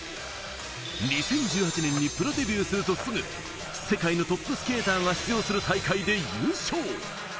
２０１８年にプロデビューするとすぐ、世界のトップスケーターが出場する大会で優勝。